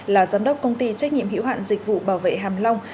là giám đốc công ty trách nhiệm hiểu hạn dịch vụ bảo vệ hàm long